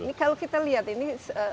ini kalau kita lihat ini